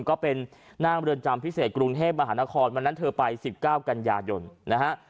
ก็เป็นหน้าบริเวณจำพิเศษกรุงเทพฯมหานครวันนั้นเธอไปสิบเก้ากันยายนนะฮะ